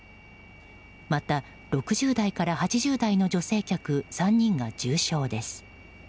また、６０代から８０代の女性客３人が重傷です。